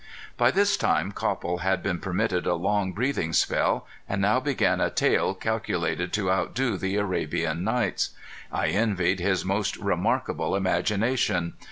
By this time Copple had been permitted a long breathing spell, and now began a tale calculated to outdo the Arabian Nights. I envied his most remarkable imagination.